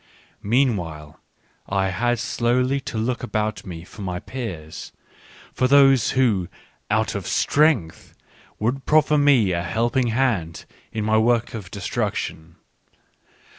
Meanwhile, I had slowly to look about me for my peers, for those who, out of strength) would proffer me a helping hand in my work of destru ction.